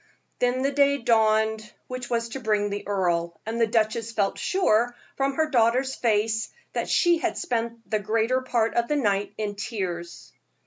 Then the day dawned which was to bring the earl, and the duchess felt sure, from her daughter's face, that she had spent the greater part of the night in tears.